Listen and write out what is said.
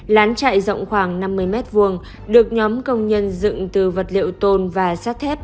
lán chạy rộng khoảng năm mươi m hai được nhóm công nhân dựng từ vật liệu tôn và sát thép